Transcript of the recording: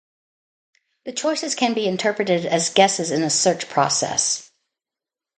The choices can be interpreted as guesses in a search process.